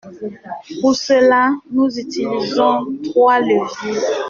Pour cela, nous utilisons trois leviers.